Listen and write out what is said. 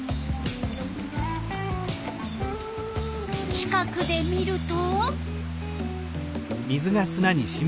近くで見ると？